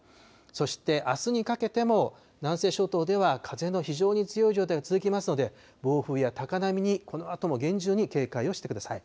そしてあすにかけても南西諸島では風の非常に強い状態が続きますので、暴風や高波にこのあとも厳重に警戒をしてください。